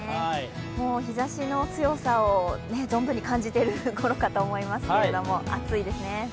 日ざしの強さを存分に感じている頃かと思いますが、暑いですね。